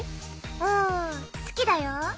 うん好きだよ」。